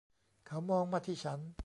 เขามองมาที่ฉัน.